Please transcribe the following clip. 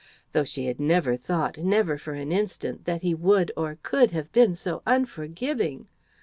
Though she had never thought never for an instant that he would, or could, have been so unforgiving!